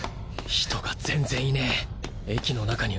人が全然いねぇ！